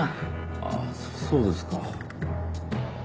あっそうですか。